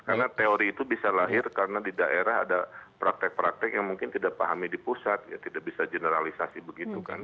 karena teori itu bisa lahir karena di daerah ada praktek praktek yang mungkin tidak pahami di pusat ya tidak bisa generalisasi begitu kan